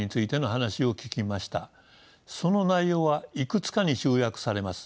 その内容はいくつかに集約されます。